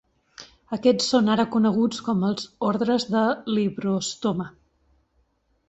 Aquests són ara coneguts com els "Ordres de Librostoma".